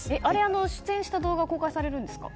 出演した動画は公開されるんですか？